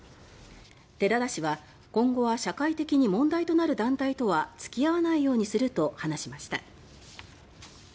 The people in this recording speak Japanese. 寺田氏は「今後は社会的に問題となる団体とは付き合わないようにする」と話しました。